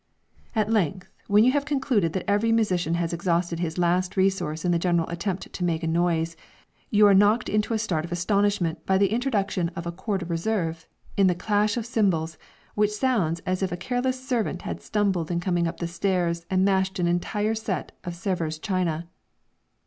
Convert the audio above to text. At length when you have concluded that every musician has exhausted his last resource in the general attempt to make a noise, you are knocked into a start of astonishment by the introduction of a corps de reserve, in the clash of cymbals, which sounds as if a careless servant had stumbled in coming up stairs and mashed an entire set of Sevres china.